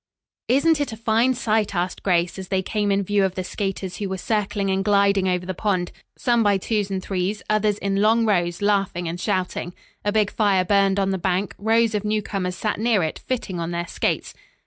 "Isn't it a fine sight?" asked Grace, as they came in view of the skaters who were circling and gliding over the pond, some by twos and threes, others in long rows, laughing and shouting. A big fire burned on the bank, rows of new comers sat near it, fitting on their skates.